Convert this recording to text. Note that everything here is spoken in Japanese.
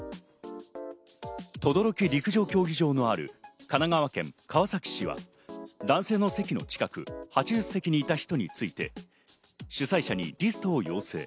等々力陸上競技のある神奈川県川崎市は、男性の席の近く８０席にいた人について主催者にリストを要請。